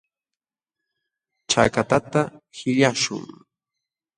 Chakatata qillqaśhun.